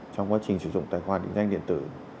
trong quá trình sử dụng tài khoản định danh điện tử